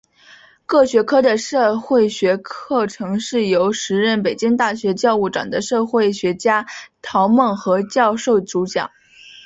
各学科的社会学课程是由时任北京大学教务长的社会学家陶孟和教授主讲。